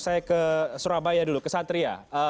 saya ke surabaya dulu ke satria